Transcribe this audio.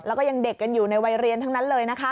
แล้วก็ยังเด็กกันอยู่ในวัยเรียนทั้งนั้นเลยนะคะ